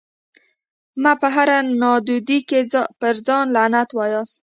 مه په هره نادودي کي پر ځان لعنت واياست